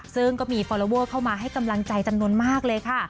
ซึ่งก็มีฟอลลอเวอร์เข้ามาให้กำลังใจจำนวนมากเลยค่ะ